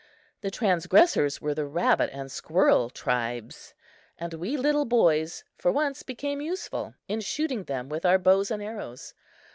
The transgressors were the rabbit and squirrel tribes, and we little boys for once became useful, in shooting them with our bows and arrows.